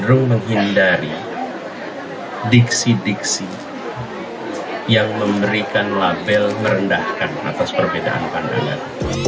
cenderung menghindari diksi diksi yang memberikan label merendahkan atas perbedaan pandangan